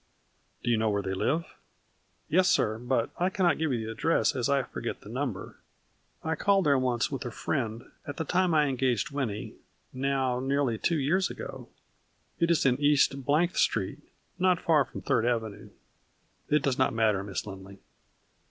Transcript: " Do you know where they live ?" "Yes, sir; but I cannot give you the address, as I forget the number. I called there once with a friend, at the time I engaged Winnie, now nearly two years ago. It is in East — th Street not far from Third Avenue." " It does not matter, Miss Lindley."